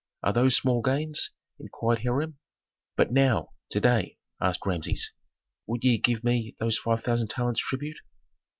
Are those small gains?" inquired Hiram. "But now, to day," asked Rameses, "would ye give me those five thousand talents tribute?"